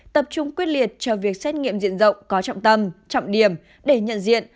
tập trung quyết liệt cho việc xét nghiệm diện rộng có trọng tâm trọng điểm để nhận diện